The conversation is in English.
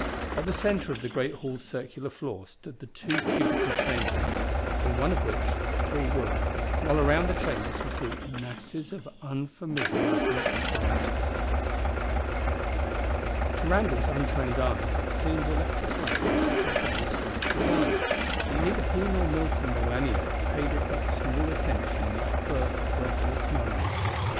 At the center of the great hall's circular floor stood the two cubical chambers in one of which the three were, while around the chambers were grouped masses of unfamiliar looking apparatus. To Randall's untrained eyes it seemed electrical apparatus of very strange design, but neither he nor Milton nor Lanier paid it but small attention in that first breathless moment.